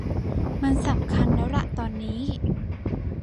มันสำคัญแล้วล่ะตอนนี้